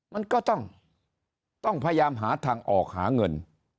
มันก็ต้องพยายามหาทางออกหาเงิน